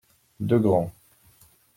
Deux grands.